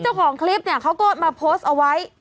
วันนี้จะเป็นวันนี้